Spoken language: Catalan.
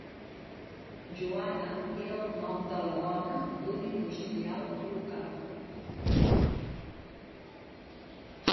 Joanna era el nom de la dona d'un industrial local.